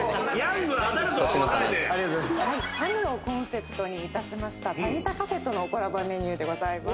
かむをコンセプトにいたしましたタニタカフェとのコラボメニューでございます。